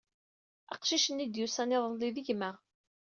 Aqcic-nni d-yusan iḍelli d gma.